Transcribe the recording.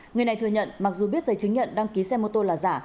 người này thừa nhận mặc dù biết giấy chứng nhận đăng ký xe mô tô là giả